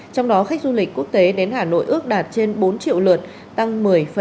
trong đó khách du lịch quốc tế đến hà nội ước đạt trên bốn triệu lượt tăng một mươi hai